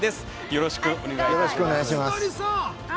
よろしくお願いします。